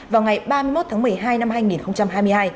vào ngày ba mươi một tháng một mươi hai năm hai nghìn hai mươi hai